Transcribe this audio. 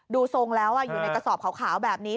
ทรงแล้วอยู่ในกระสอบขาวแบบนี้